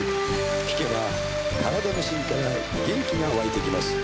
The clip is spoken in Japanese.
聴けば体の芯から元気が湧いてきます。